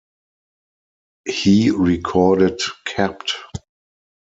He recorded Kapt.